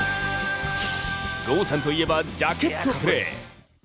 郷さんといえばジャケットプレイ！